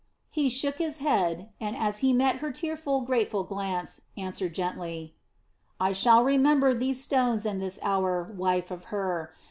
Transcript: He shook his head, and as he met her tearful, grateful glance, answered gently: "I shall remember these stones and this hour, wife of Hur.